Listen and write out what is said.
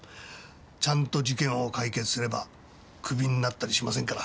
ちゃんと事件を解決すればクビになったりしませんから。